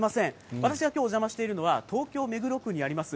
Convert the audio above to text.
私がきょうお邪魔しているのは、東京・目黒区にあります